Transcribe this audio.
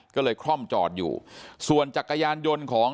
ก็เลยคล่อมจอดอยู่ส่วนจักรยานยนต์ของ